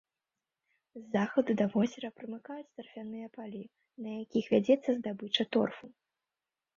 З захаду да возера прымыкаюць тарфяныя палі, на якіх вядзецца здабыча торфу.